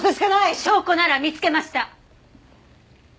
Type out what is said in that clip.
証拠なら見つけました。